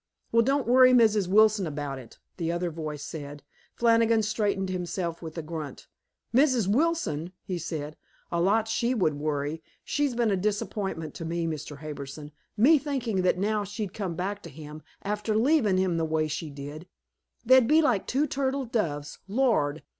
"Well, don't worry Mrs. Wilson about it," the other voice said. Flannigan straightened himself with a grunt. "Mrs. Wilson!" he said. "A lot she would worry. She's been a disappointment to me, Mr. Harbison, me thinking that now she'd come back to him, after leavin' him the way she did, they'd be like two turtle doves. Lord!